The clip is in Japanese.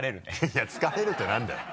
いや疲れるって何だよ。